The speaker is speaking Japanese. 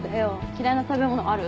嫌いな食べ物ある？